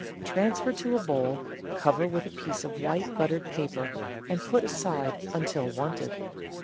Transfer to a bowl, cover with a piece of white, buttered paper, and put aside until wanted.